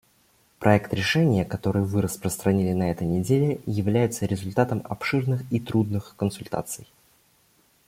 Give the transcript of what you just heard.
Проект решения, который вы распространили на этой неделе, является результатом обширных и трудных консультаций.